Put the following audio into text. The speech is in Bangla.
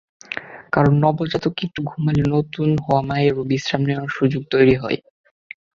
কারণ, নবজাতক একটু ঘুমালে নতুন হওয়া মায়েরও বিশ্রাম নেওয়ার সুযোগ তৈরি হয়।